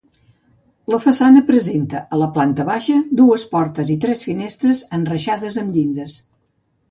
La façana presenta, a la planta baixa, dues portes i tres finestretes enreixades amb llindes.